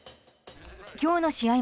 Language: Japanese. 今日の試合